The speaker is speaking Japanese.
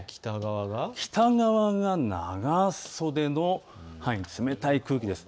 北側が長袖の冷たい空気です。